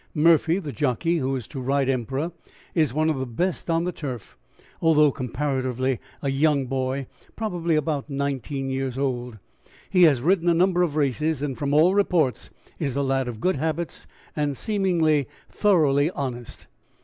Murphy, the jockey who is to ride Emperor, is one of the best on the turf, although comparatively a young boy, probably about nineteen years old. He has ridden a number of races, and from all reports is a lad of good habits, and seemingly thoroughly honest.